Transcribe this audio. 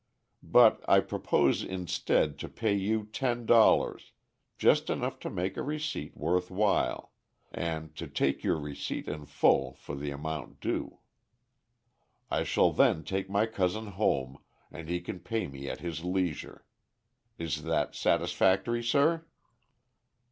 But I propose instead to pay you ten dollars just enough to make a receipt worth while and to take your receipt in full for the amount due. I shall then take my cousin home, and he can pay me at his leisure. Is that satisfactory, sir?"